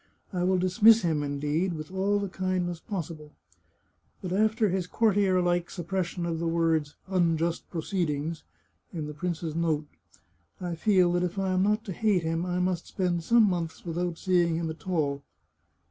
I will dismiss him, indeed, with all the kindness possible. But after his courtier like sup pression of the words ' unjust proceedings ' in the prince's note, I feel that if I am not to hate him I must spend some months without seeing him at all.